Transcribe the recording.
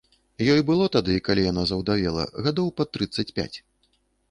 Ёй было тады, калі яна заўдавела, гадоў пад трыццаць пяць.